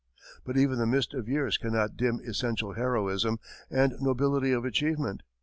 But even the mist of years cannot dim essential heroism and nobility of achievement.